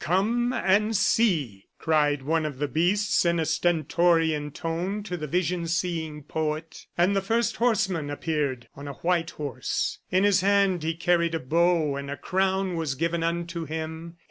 "Come and see," cried one of the beasts in a stentorian tone to the vision seeing poet. ... And the first horseman appeared on a white horse. In his hand he carried a bow, and a crown was given unto him.